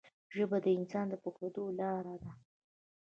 ژبه د انسان د پوهېدو لاره ده